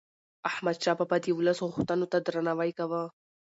احمد شاه بابا د ولس غوښتنو ته درناوی کاوه.